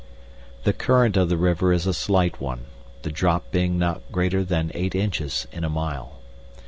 The current of the river is a slight one, the drop being not greater than eight inches in a mile.